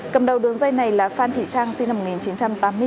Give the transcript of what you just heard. cầm đầu đường dây này là phan thị trang sinh năm một nghìn chín trăm tám mươi bốn